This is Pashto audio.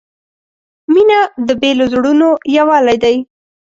• مینه د بېلو زړونو یووالی دی.